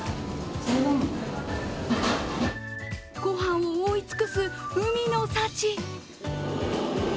ごはんを覆い尽くす海の幸。